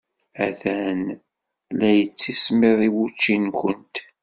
Atan la yettismiḍ wučči-nwent.